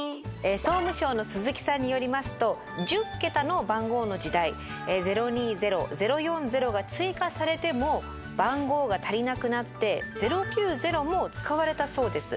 総務省の鈴木さんによりますと１０桁の番号の時代「０２０」「０４０」が追加されても番号が足りなくなって「０９０」も使われたそうです。